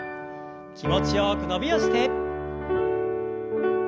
気持ちよく伸びをして。